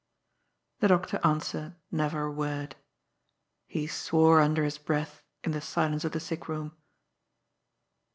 The doctor answered never a word. He swore under his breath in the silence of the sick room.